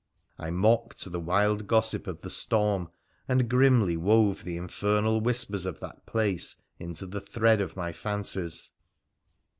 I mocked the wild gossip of the storm, and grimly wove the infernal whispers of that place into the thread of my fancies.